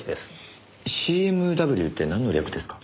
ＣＭＷってなんの略ですか？